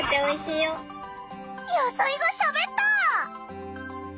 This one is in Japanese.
野菜がしゃべった！